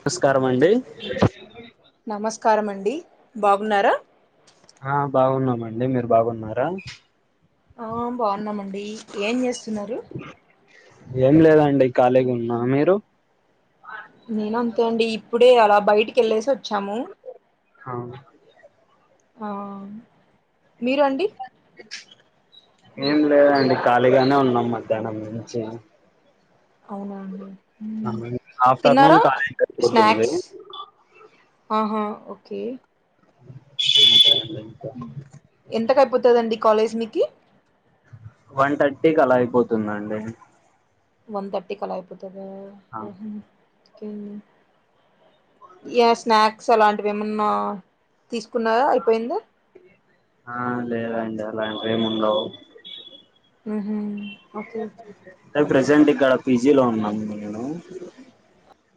నమస్కారం అండి. నమస్కారం అండి, బాగున్నారా? ఆ బాగున్నామండి. మీరు బాగున్నారా? ఆ బావున్నమండి. ఏం చేస్తున్నారు? ఏం లేదండి ఖాళీగా ఉన్నా, మీరు? నేను అంతే అండి ఇప్పుడే అలా బయటికి ఎళ్ళేసి వచ్చాము. అవును ఆ మీరు అండి? ఏం లేదండి ఖాళీగానే ఉన్నాం మధ్యాహ్నం నుంచి. అవునా అండి. తిన్నారా ఆఫ్టర్నూన్ ఖాళీ అయిపోతుంది స్నాక్స్? ఆహా ఓకే. [inaudible] ఎంతకయిపోతదండి కాలేజ్ మీకి? వన్ థర్టీకి అలా అయిపోతుందండి. వన్ థర్టీకి అలా అయిపోతదా ఆహా ఇకేంది. యా స్నాక్స్ అలాంటివి ఏమన్నా తీసుకున్నారా అయిపోయిందా. ఆ లేదండి అలాంటివేం ఉండవు. ఆహ అంటే ప్రజెంట్ ఇక్కడ పీజీ లో ఉన్నాము నేను.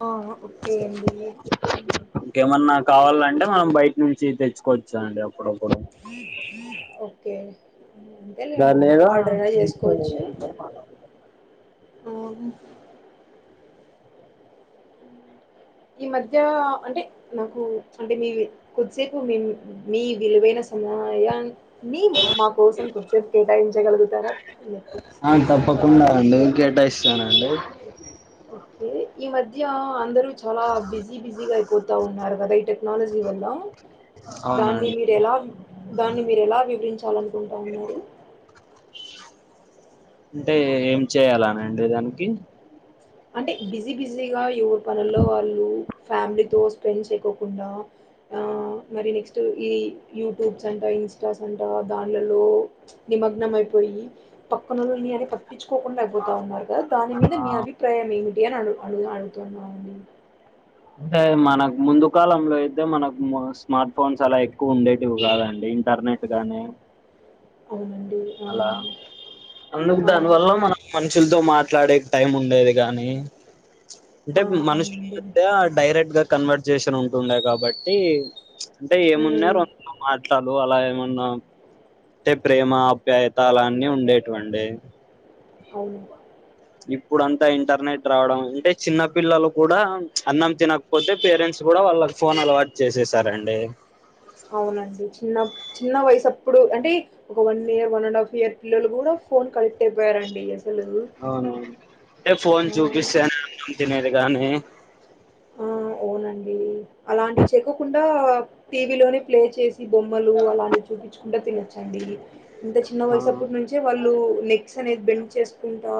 ఆ, ఓకే సరే అండి ఇంకేమన్నా కావాలంటే మనం బయటి నుంచి తెచ్చుకోవచ్చండి అప్పుడప్పుడు. ఓకే అంతేలేండి లేదా ఆర్డర్ అన్నా ఫ్రెండ్స్ తో చేసుకోవచ్చు ఏదైనా ఆ ఈ మధ్యా అంటే నాకు అంటే మీవి కొద్దిసేపు మేము మీ విలువైన సమయాన్ మీ మా కోసం కొద్దిసేపు కేటాయించగలుగుతారా అని చెప్పు. ఆ తప్పకుండా అండి నే కేటాయిస్తాన అండి ఓకే ఈ మధ్య అందరూ చాలా బిజీ బిజీగా అయిపోతా ఉన్నారు కదా ఇట టెక్నాలజీ వల్ల దాన్ని అవునండి మీరు ఎలా దాన్ని మీరు ఎలా వివరించాలనుకుంటా ఉన్నారు అంటే ఏం చేయాలనండి దానికి అంటే బిజీ బిజీగా ఎవరి పనుల్లో వాళ్ళు ఫ్యామిలీతో స్పెండ్ చేయకోకుండా ఆ మరి నెక్స్ట్ ఈ యూట్యూబ్స్ అంట ఇన్స్టాస్ అంట దాన్లలో నిమగ్నం అయిపోయి పక్కనని అది పట్టించుకోకుండా అయిపోతా ఉన్నారు కదా దాని మీద ఆ మీ అభి అభిప్రాయం ఏమిటని అడుగు అడుగుతున్నామండి అంటే మనకు ముందు కాలంలో అయితే మనకు స్మార్ట్ ఫోన్స్ అలా ఎక్కువ ఉండేటివి కాదండి ఇంటర్నెట్ గానీ అవునండి. అలా అవును. అందుకు ఆ! దానివల్ల మనం మనుషులతో మాట్లాడే టైం ఉండేది గానీ అంటే ఆ! మనుషులు అవునండి. డైరెక్ట్ గా కన్వర్ట్ చేసన్ ఉంటుండే కాబట్టి అంటే హ్మ్. ఏమున్నారు [unintelligible] అమ్మా అట్లాదు అలా ఏమన్నా అంటే ప్రేమ అప్యాయతా అలా అన్ని ఉండేటువండి అవును ఇప్పుడంతా ఇంటర్నెట్ రావడం అంటే చిన్న పిల్లలు కూడా అన్నం తినకపోతే పేరెంట్స్ కూడా వాళ్ళకి ఫోన్ అలవాటు చేససారండి అవునండి చిన్న చిన్న వయసప్పుడు అంటే ఒక one year one and half year పిల్లలు కూడా ఫోన్కి అడిక్ట్ అయిపోయారండి అసలు అవునవును అంటే ఫోన్ ఆ! చూపిస్తాను అన్నం తినేది కాగానీ ఆ అవునండి అలాంటివి చెయకోకుండా టీవీలోనే ప్లే చేసి బొమ్మలు అలాంటివి చూపించకుండా తినొచ్చండి ఇంత చిన్న ఆ వయసప్పటి నుంచే వాళ్ళు నెక్స్ అనేది బెండ్ చేసుకుంటా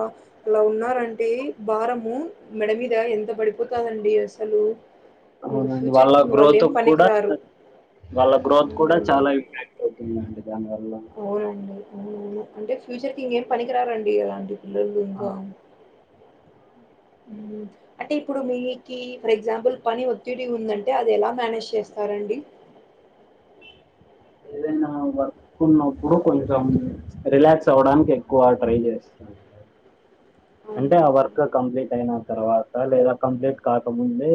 అలా ఉన్నారంటి భారము మెడ మీద ఎంత పడిపోతందిండి అసలు ఇంక అవునండి వాళ్ళ ఫ్యూచర్‌కి ఇంక గ్రోత్ వాళ్ళేం కూడా పనికిరారు. వాళ్ళ గ్రోత్ కూడా అవునండి. చాలా ఇ అవుతుందండి దాని వల్ల అవునండి అవును అవును అంటే ఫ్యూచర్ కి ఇంకేం పనికిరారండి ఇలాంటి పిల్లలు ఇంకా ఉం అంటే ఇప్పుడు మీకి ఫర్ ఎగ్జాంపుల్ పని ఒత్తిడి ఉందంటే అది ఎలా మేనేజ్ చేస్తారండి ఏదైనా వర్క్ ఉన్నప్పుడు కొంచెం రిలాక్స్ అవ్వడానికి ఎక్కువ ట్రై చేస్తారు అంటే ఆ అవునా! వర్క్ కంప్లీట్ అయిన తర్వాత లేదా కంప్లీట్ కాకముందే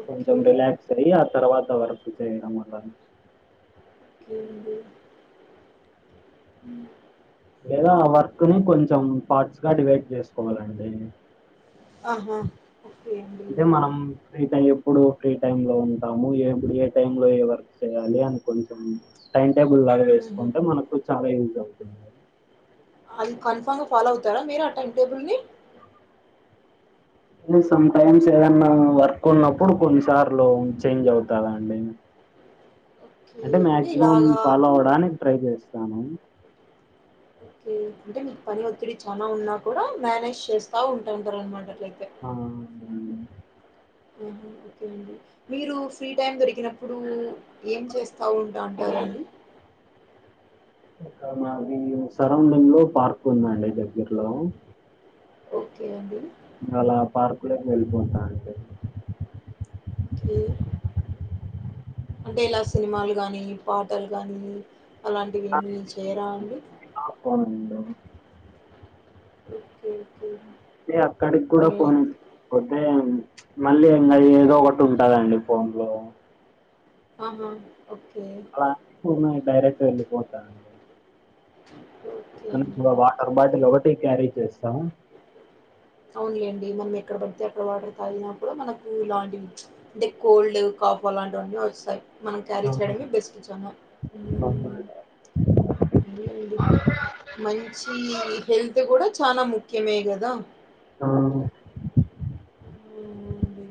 ఓకే కొంచం రిలాక్స్ అయి ఆ తర్వాత వర్క్ చేయడం వల్ల కేంది అహ లేదా ఆ వర్క్ ని కొంచెం పార్ట్స్ గా డివైడ్ చేసుకోవాలండి ఆహా ఓకె అండి అంటే మనం ఫ్రీ టైం ఎప్పుడు ఫ్రీ టైమ్ లో ఉంటాము ఏ టైమ్ లో ఏ వర్క్ చేయ్యాలి అని కొంచెం టైం టేబుల్ లాగా హుహు. వేసుకుంటే మనకు చాలా యూజ్ అవుతుంది అది కన్ఫామ్ గా ఫాలో అవుతారా మీరు ఆ టైమ్ టేబుల్ ని ని సమ్ టైమ్స్ ఏదన్నా వర్క్ ఉన్నప్పుడు కొన్నిసార్లు చేంజ్ అవుతదండి ఓ అంటే మాక్సిమం ఫాలో అవడానికి ట్రై చేస్తాను ఓకే అంటే మీకు పని ఒత్తిడి చాలా ఉన్నా కూడా మేనేజ్ చేస్తా ఉంటంటారు అనమాట అట్లయితే ఆ అదేండి అహ ఓకే అండి మీరు ఫ్రీ టైమ్ దొరికినప్పుడు ఏం చేస్తా ఉంటా అంటరండి ఇక్కడ మాది సరౌండింగ్ లో పార్క్ ఉందండి దగ్గర్లో ఓకే అండి అలా పార్కు లో వెళ్ళిపోత అండి అంటే ఇలా సినిమాలు గాని పాటలు గాని అలాంటివి ఏమి చేయరా అండి ఆ కొనండి ఓకే ఓకే ఏ అక్కడికి కూడా పోను నేనైతే పోతే ప్చ్ మళ్ళీ ఇంకా ఏదో ఒకటి ఉంటదండి ఫోన్ లో ఆహ ఓకే [unintelligible] డైరక్ట్ వెలిపోతా అండి ఒ ఉ గ వాటర్ బాటిల్ ఒకటి క్యారీ చేస్తాం అవును లేండి మనం ఎక్కడ పడితే ఎక్కడ వాటర్ తాగిన కూడా మనకు లాంటివి ప్చ్ అంటే కోల్డ్ కాఫ్ అలాంటివన్ని వస్తాయి మనం ఆ! క్యారీ చేయడమే బెస్ట్ చానా అవునా? అదే అండి మంచి హెల్త్ కూడా చాలా ముఖ్యమే కదా ఆ అవునండి.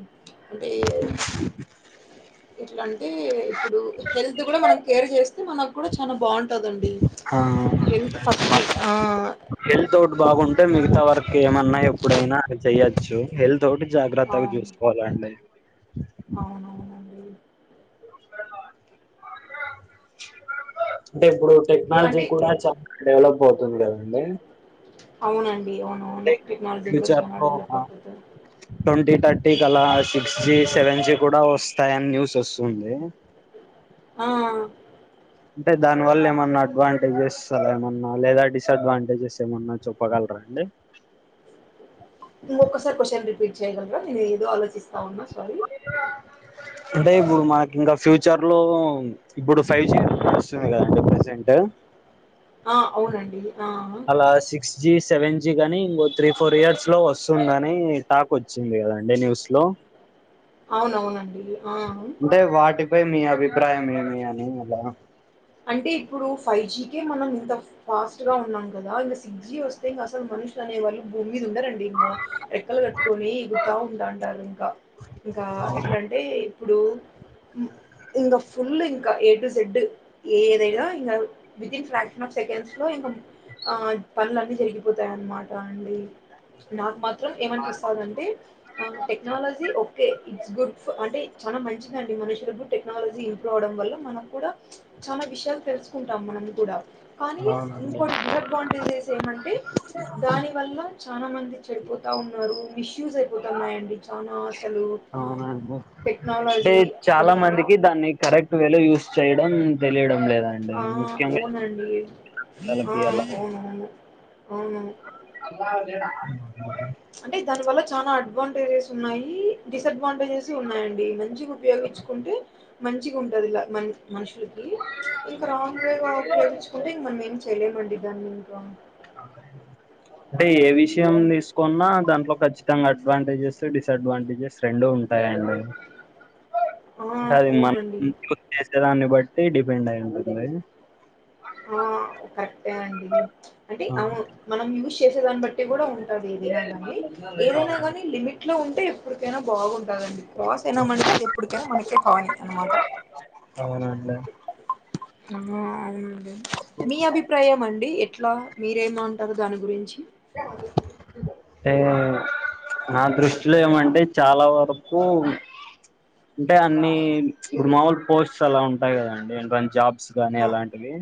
అంటే ఎట్లా అంటే ఇప్పుడు హెల్త్ కూడా మనం కేర్ చేస్తే మనక్ కూడా చాల బాగుంటదండి ఆ! హెల్త్ మన ఫస్ట్ ఆ హెల్త్ అవుట్ బాగుంటే మిగతా వర్క్ ఏమన్నా ఎప్పుడైనా అది చెయ్యొచ్చు హెల్త్ ఒకటి జాగ్రత్తగా చూసుకోవాలండి అవునవును అంటే ఇప్పుడు టెక్నాలజీ అంటే కూడా చాల డెవలప్ అవుతుంది కదండి అవును అండి అవునవును టెక్నాలజీ కూడా చాలా డెవలప్ ఫ్యూచర్లో ఐపోతాది ట్వంటీ థర్టీ కలా సిక్స్ జి సెవెన్ జి కూడా వస్తాయని న్యూస్ వస్తుంది ఆ అంటే దానివల్ల ఏమన్నా అడ్వాంటేజెస్ అల ఏమన్నా లేదా డిసడ్వాంటేజెస్ ఏమన్నా చెప్పగలరా అండి ఇంకొక్కసారి క్వశ్చన్ రిపీట్ చేయ్యగలరా నేను ఏదో ఆలోచిస్తా ఉన్నా సారీ అంటే ఇప్పుడు మాకి ఇంకా ఫ్యూచర్ లో ఇప్పుడు ఫైవ్ జీ వస్తుంది కదండి ప్రసెంటు ఆ అవునండి ఆ అలా సిక్స్ జి సెవెన్ జి కాని ఇంకో త్రీ ఫోర్ ఇయర్స్ లో వస్తుందని టాక్ వచ్చింది కదండి న్యూస్ లో అవునవునండి ఆ అంటే వాటిపై మీ అభిప్రాయం ఏమి అని అలా అంటే ఇప్పుడు ఫైవ్ జీకే మనం ఇంత ఫాస్ట్గా ఉన్నాం కదా ఇంగ సిక్స్ జీ వస్తే ఇంక అసలు మనుషు అనే వాళ్ళు భూమి మీద ఉండరండి ఇంగ రెక్కలు కట్టుకొని ఎగురుతా ఉంటాంటారు ఇంకా ఇంకా ఎట్లా అంటే ఇప్పుడు ఇంకా ఫుల్ ఇంకా ఏ టు జెడ్ ఏదైనా ఇంకా వితిన్ ఫ్రాక్షన్ ఆఫ్ సెకండ్స్ లో ఇంకా ఆ పనులున్నీ జరిగిపోతాయన్నమాట అండి నాకు మాత్రం ఏమనిపిస్తందటే టెక్నాలజీ ఓకే ఇట్స్ గుడ్ అంటే చాలా మంచిదండి మనుషులకు టెక్నాలజీ ఇంప్రూవ్ అవ్వడం వల్ల మనం కూడా చాలా విషయాలు తెలుసుకుంటాం మనం కూడా కానీ అవునండి ఇంకోటి డిసడ్వాంటేజెస్ ఏమంటే దాని వల్ల చాలా మంది చెడిపోతా ఉన్నారు మిస్యూస్ అయిపోతున్నాయండి చానా అసలు అవునండి అంటే టెక్నాలజీ చాలా అది మందికి దాన్ని కరెక్ట్ వేలో యూజ్ చేయడం తెలియడం లేదా ఆ అవునండి పిల్లలకి అవునవును అవును అల్లాదేడ అంటే దాని వల్ల చాలా అడ్వాంటేజెస్ ఉన్నాయి డిసడ్వాంటేజెస్ ఉన్నాయండి మంచిగా ఉపయోగించుకుంటే మంచిగా ఉంటంది ఇలా మ మనుషులకి ఇంకా రాంగ్ వేగా ఉపయోగించుకుంటే ఇంక మనం ఏం చేయలేమండి దాన్ని ఇంకా అంటే ఏ విషయం తీసుకోన్నా దాంట్లో ఖచ్చితంగా అడ్వాంటేజెస్ డిసడ్వాంటేజెస్ రెండూ ఉంటాయండి ఆ అది అవునండి మనం చేసేదాన్ని బట్టి డిపెండ్ అయి ఉంటుంది ఆ కరెక్టే అండి అంటే అ ఆ మనం యూజ్ చేసేదాన్ని బట్టి కూడా ఉ ది ఏదైనాగాని ఏదైనా గాని లిమిట్లో ఉంటే ఎప్పటికైనా బాగుంటదండి ప్రవాస అయినా మనకే ఎప్పటికైనా మనకే కావాలి అనమాట అవునాండి ఆ అవునండి మీ అభిప్రాయం అండి ఎట్లా మీరేమంటారు దాని గురించి ఏ నా దృష్టిలో ఏమంటే చాలా వరకు అంటే అన్ని ఇప్పుడు మామూలు పోస్ట్స్ అలా ఉంటాయి కదండి జాబ్స్ గానీ ఆ అలాంటివి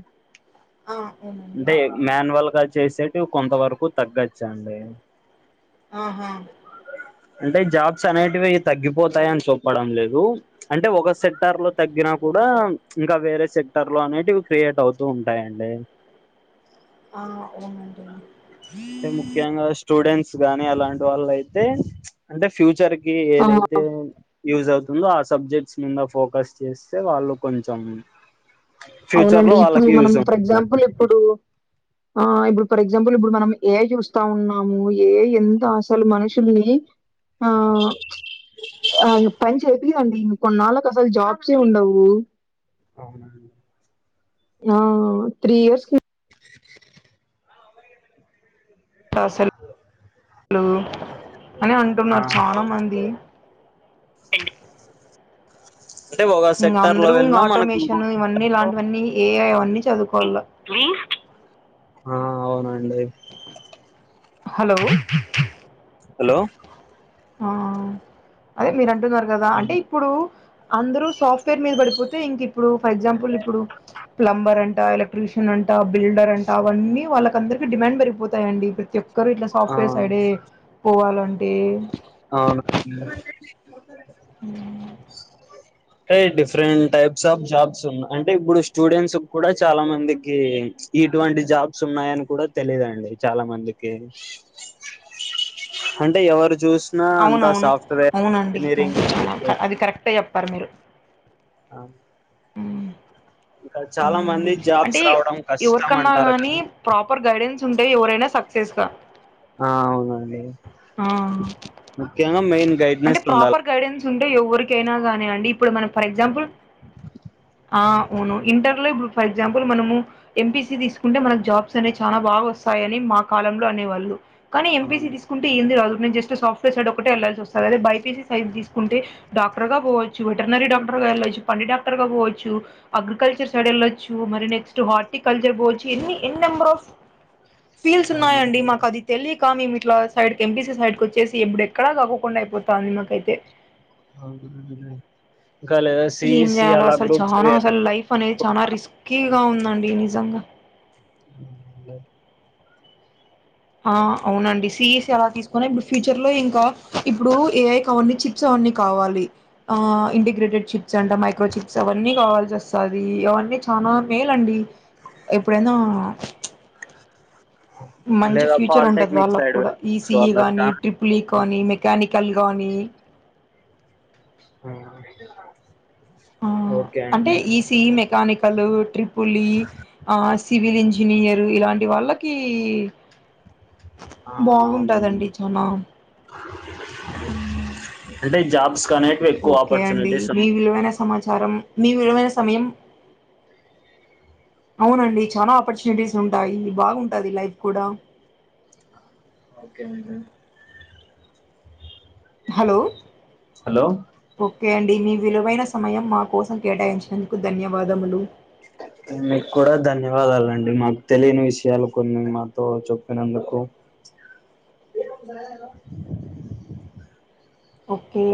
ఆ అవును అంటే మాన్యువల్గా చేసేటివి కొంత వరకు తగ్గచ్చండి ఆహా అంటే జాబ్స్ అనేటివి తగ్గిపోతాయని చెప్పడం లేదు అంటే ఒక సెక్టర్లో తగ్గిన కూడా ఇంకా వేరే సెక్టర్లో అనేటివి క్రియేట్ అవుతూ ఉంటాయండి ఆ అవునంటడి అంటే ముఖ్యంగా స్టూడెంట్స్ గానీ అలాంటి వాళ్ళయితే అంటే ఫ్యూచర్ కి ఆ ఏదైతే యూజ్ అవుతుందో ఆ సబ్జెక్ట్స్ మీద ఫోకస్ చేస్తే వాళ్ళు కొంచెం ఫ్యూచర్ అవునండి లో ఇప్పుడు వాళ్ళకి మనం యూజ్ ఫర్ అవుతుంది ఆ ఎగ్జాంపుల్ ఇప్పుడు ఆ ఇప్పుడు ఫర్ ఎగ్జాంపుల్ ఇప్పుడు మనం ఏఐ చూస్తా ఉన్నాము ఏఐ ఎంత అసలు మనుషుల్ని ఆ ఆ పని చేపియదండి కొన్నాళ్ళకి అసలు జాబ్సే ఉండవు అవునా ఆ త్రీ ఇయర్స్‌కి అస [inaudible] లు అని అంటున్నారు చానా మంది అవునండి అంటే ఒక ఇంగ సెక్టర్ లో అందరూ ఇంగ వెళ్ళినా మనకు ఇంకో ఆటోమేషన్ ఇవన్నీ సెక్టార్ లో ఇలాంటివన్నీ ఏఐవన్నీ చదువుకోవాల ఆ అవునండి హలో హలో ఆ అదే మీరు అంటున్నారు కదా అంటే ఇప్పుడు అందరూ సాఫ్ట్వేర్ మీద పడిపోతే ఇంకిప్పుడు ఫర్ ఎగ్జాంపుల్ ఇప్పుడు ప్లంబర్ అంట ఎల క్ట్రిషన్ అంటా బిల్డర్ అంటా అవన్నీ వాళ్లకందరికీ డిమాండ్ పెరిగిపోతాయండి ప్రతి ఒక్కరు ఇట్లా ఆ సాఫ్ట్వేర్ సైడే పోవాలంటే అవున అ ఉమ్ టయ్ డిఫరెంట్ టైప్స్ ఆఫ్ జాబ్స్ ఉన్నా అంటే ఇప్పుడు స్టూడెంట్స్ కూడా చాలా మందికి ఇటువంటి జాబ్స్ ఉన్నాయని కూడా తెలిదండి చాలా మందికి అంటే ఎవరు చూసినా అంతా అవునవును సాఫ్ట్వేర్ ఇంజనీరింగ్ కాలేజెస్ క్టే చెప్పారు మీరు అ ఉమ్, చాలా అవునండి మంది అంటే జాబ్స్ రావడం కష్టం ఎవరికన్నా అంటారు గానీ కానీ ప్రాపర్ గైడెన్స్ ఉంటే ఎవరైనా సక్సెస్‌గా ఆ అవునండి ముఖ్యంగా మెయిన్ అంటే గైడ్నెస్ ఉండాల ప్రాపర్ గైడెన్స్ ఉంటే ఎవరికైనా గానీ అండి ఇప్పుడు మనం ఫర్ ఎగ్జాంపుల్ ఆ వును ఇంటర్లో ఇప్పుడు ఫర్ ఎగ్జాంపుల్ మనము ఎంపీసి తీసుకుంటే మనకు జాబ్స్ అనేవి చానా బాగా వస్తాయని మా కాలంలో అనేవాళ్ళు కానీ ఎంపీసీ అవును తీసుకుంటే ఏంది రాదు నేను జస్ట్ సాఫ్ట్వేర్ సైడ్ ఒకటే ఎళ్లాల్సి వస్తాది అదే బైపీసి సైజ్ తీసుకుంటే డాక్టర్‌గా పోవచ్చు వెటనరీ డాక్టర్ గా వెళ్ళొచ్చు పంటి డాక్టర్ గా పోవచ్చు అగ్రి కల్చర్ సైడ్ ఎళ్ళొచ్చు మరి నెక్స్ట్ హార్టి కల్చర్ పోవచ్చు ఎన్ని ఎన్ని నెంబర్ ఆఫ్ ఫీల్స్ ఉన్నాయండి అవునండి మాకు అది తెలియకా మేము ఇట్లా సైడ్‌కి ఎంపీసీ సైడ్కి వచ్చేసి ఎప్పుడు ఎక్కడా కాకోకుండా అయిపోతుంది మాకైతే అవునండి ఇంకా లేదా సిఈసి అలా గ్రూప్స్ వే కానీ చానా రిస్కీగా ఉందండి నిజంగా అవునవునులే ఆ అవునండి సిఈసి అలా తీసుకుని ఇప్పు ఫ్యూచర్లో ఇంకా ఇప్పుడు ఏఐకి అవన్నీ చిప్స్ అవన్నీ కావాలి ఆ ఇంటిగ్రేటెడ్ చిప్స్ అంట మైక్రో చి ప్స్ అవన్నీ కావాల్సి వస్తది అవన్నీ చానా మేలండి ఎప్పుడైనా మంచి లేదా ఫ్యూచర్ ఉంటది పాలిటెక్నిక్ వాళ్ళకి సైడ్ కూడా వెళ్ళచ్చు ఈసీఈ అలా గానీ చానా ట్రిపుల్ ఈ కానీ మెకానికల్ గానీ ఉమ్మ్ ఆ అంటే ఈసీఈ మెకానికల్ ట్రిపుల్ ఈ ఆ సివిల్ ఇంజనీయర్ ఇలాంటి వాళ్ళకి ఆ అవునండి బాగుంటాదండి చానా అంటే జాబ్స్ కానే ఓకే అండి మీ విలువైన సమాచారం మీ విలువైన సమయం అవునండి చాలా ఆపర్చునిటీస్ ఉంటాయి బాగుంటాది లైఫ్ కూడా okay madam hello hello okay అండి మీ విలువైన సమయం మా కోసం కేటాయించినందుకు ధన్యవాదములు మీకు కూడా ధన్యవాదాలండి మాకు తెలియని విషయాలు కొన్ని మాతో చెప్పినందుకు ఎ ఓకే